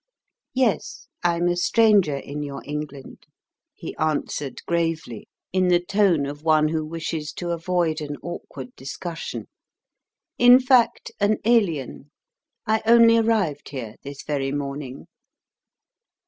"Yes, I'm a stranger in your England," he answered, gravely, in the tone of one who wishes to avoid an awkward discussion. "In fact, an Alien. I only arrived here this very morning."